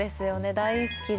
大好きで。